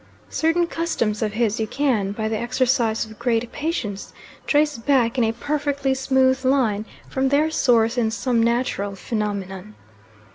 Certain customs of his you can, by the exercise of great patience, trace back in a perfectly smooth line from their source in some natural phenomenon.